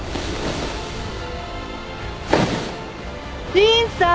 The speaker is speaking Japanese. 凛さん？